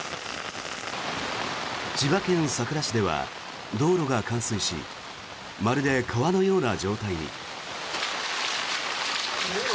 千葉県佐倉市では道路が冠水しまるで川のような状態に。